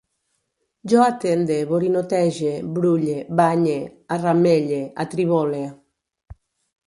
Jo atende, borinotege, brulle, banye, arramelle, atribole